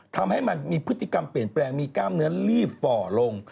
ทำให้มันมีพฤติกรรมเปลี่ยนแปลงมีกล้ามเนื้อลีบฝ่อลง